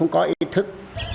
có ý thức